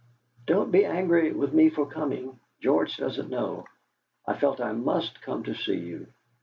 "Don't be angry with me for coming. George doesn't know. I felt I must come to see you.